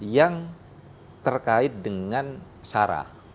yang terkait dengan sarah